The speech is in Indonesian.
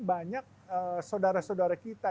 banyak saudara saudara kita